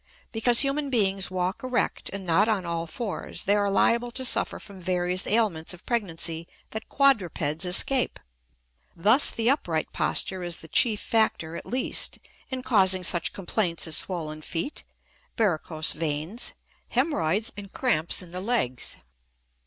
Because human beings walk erect, and not on all fours, they are liable to suffer from various ailments of pregnancy that quadrupeds escape. Thus the upright posture is the chief factor, at least, in causing such complaints as swollen feet, varicose veins, hemorrhoids, and cramps in the legs.